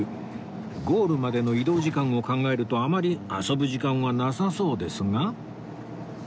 ゴールまでの移動時間を考えるとあまり遊ぶ時間はなさそうですが